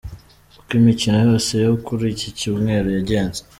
Uko imikino yose yo kuri iki cyumweru yagenze.